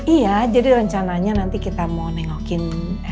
iya jadi rencananya nanti kita mau nengokin